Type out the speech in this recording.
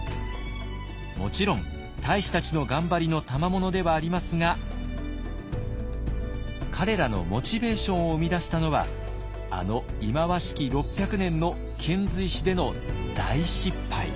もちろん太子たちの頑張りのたまものではありますが彼らのモチベーションを生み出したのはあの忌まわしき６００年の遣隋使での大失敗。